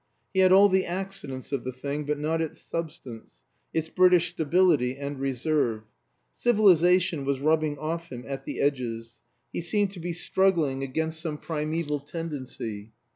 He had all the accidents of the thing, but not its substance, its British stability and reserve. Civilization was rubbing off him at the edges; he seemed to be struggling against some primeval tendency.